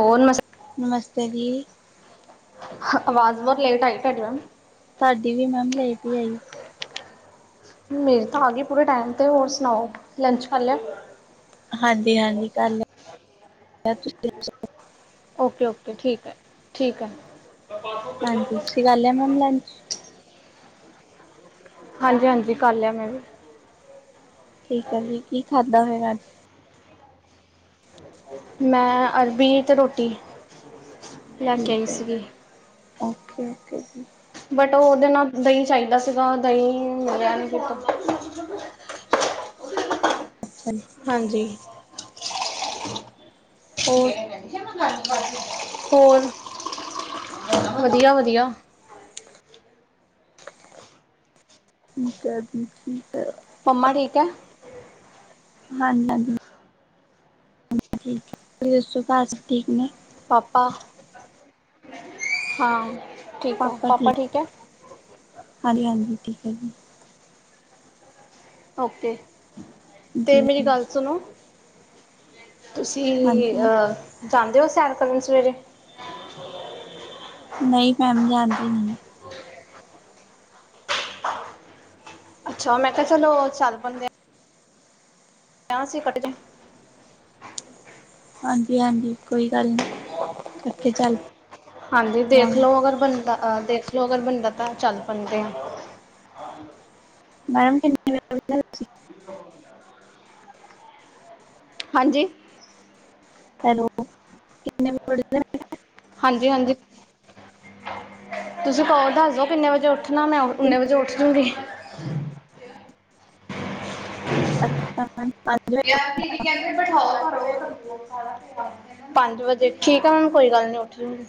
On ਮਸ। ਨਮਸਤੇ ਜੀ। ਆਵਾਜ਼ ਬਹੁਤ ਲੇਟ ਆਈ ਤੁਹਾਡੀ ਮੈਮ। ਤੁਹਾਡੀ ਵੀ ਮੈਮ ਲੈਟ ਹੀ ਆਈ। ਮੇਰੀ ਤਾਂ ਆ ਗਈ ਪੂਰੇ ਟਾਈਮ ਤੇ ਹੋਰ ਸੁਣਾਓ ਲੰਚ ਕਰ ਲਿਆ। ਹਾਂਜੀ। ਹਾਂਜੀ-ਹਾਂਜੀ ਕਰ ਲਿਆ ਤੁਸੀਂ, [unintelligible] ਓਕੇ ਓਕੇ ਠੀਕ ਹੈ ਠੀਕ ਹੈ ਹਾਂਜੀ ਤੁਸੀਂ ਕਰ ਲਿਆ ਆ ਮੈਮ ਲੈਂਚ। ਹਾਂਜੀ-ਹਾਂਜੀ ਕਰ ਲਿਆ ਮੈਂ ਵੀ। ਠੀਕ ਹੈ ਜੀ ਕੀ ਖਾਧਾ ਫੇਰ ਅੱਜ। ਮੈਂ ਅਰਬੀ ਅਤੇ ਰੋਟੀ। ਲੈ ਕੇ ਆਈ ਠੀਕ ਹੈ ਸੀਗੀ ਜੀ ਓਕੇ ਓਕੇ ਜੀ। ਬਟ ਉਹ ਉਹਦੇ ਨਾਲ ਦਹੀਂ ਚਾਹੀਦਾ ਸੀਗਾ ਦਹੀਂ ਮਿਲਿਆ ਨਹੀਂ ਬਟ। ਅੱਛਾ ਜੀ। ਹਾਂਜੀ। ਹੋਰ ਹੋਰ। ਵਧੀਆ-ਵਧੀਆ। ਠੀਕ ਹੈ ਜੀ ਠੀਕ ਆ। ਪੰਮਾ ਠੀਕ ਹੈ। ਹਾਂਜੀ-ਹਾਂਜੀ। ਠੀਕ ਹ ਔਰ ਸਭ ਘਰ ਠੀਕ ਨੇ ਪਾਪਾ ਹਾਂ ਠੀਕ ਹੈ ਪਾਪਾ ਠੀਕ ਹੈ। ਹਾਂਜੀ-ਹਾਂਜੀ ਠੀਕ ਹੈ ਜੀ। ਓਕੇ ਤੇ ਮੇਰੀ ਜੀ-ਜੀ, ਗੱਲ ਸੁਣੋ ਤੁਸੀਂ ਹਾਂਜੀ, ਅ ਜਾਂਦੇ ਹੋ ਸੈਰ ਕਰਨ ਸਵੇਰੇ ਨਹੀਂ ਮੈਮ ਜਾਂਦੀ ਨਈ ਅੱਛਾ ਮੈਂ ਕਿਹਾ ਚਲੋ ਚੱਲ ਪੈਂਦੇ ਆ [unintelligible] ਹਾਂਜੀ-ਹਾਂਜੀ ਕੋਈ ਗੱਲ ਨੀ ਇਕੱਠੇ ਚੱਲ ਹਾਂਜੀ ਪਵਾਂਗੇ। ਦੇਖਲੋ ਅਗਰ ਬਣਦਾ ਦੇਖ ਲਓ ਅਗਰ ਬਣਦਾ ਤਾਂ ਚੱਲ ਪੈਂਦੇ ਆ ਮੈਮ [unintelligible] [inaudible] ਹਾਂਜੀ ਹੈਲੋ ਹਾਂਜੀ-ਹਾਂਜੀ ਤੁਸੀਂ ਕੋਲ ਦੱਸ ਦੋ ਕਿੰਨੇ ਵਜੇ ਉੱਠ ਨਾ ਮੈਂ ਉਨੇ ਵਜੇ ਉੱਠਜੁਗੀ ਅੱਛਾ ਮੈਡਮ ਪੰਜ ਵਜੇ [unintelligible] ਪੰਜ ਵਜੇ, ਠੀਕ ਆ ਕੋਈ ਮੈਡਮ ਕੋਈ ਗੱਲ ਨੀ ਉੱਠ ਜਾਓਗੀ।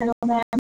Hello ma'am